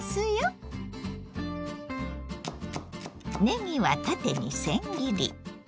ねぎは縦にせん切り。